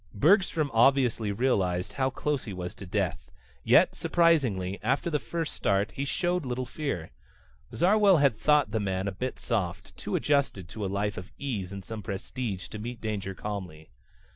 Bergstrom obviously realized how close he was to death. Yet surprisingly, after the first start, he showed little fear. Zarwell had thought the man a bit soft, too adjusted to a life of ease and some prestige to meet danger calmly.